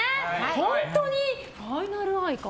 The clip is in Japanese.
本当に、ファイナル愛花？